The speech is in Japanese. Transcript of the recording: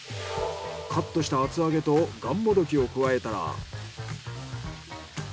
カットした厚揚げとがんもどきを加えたら。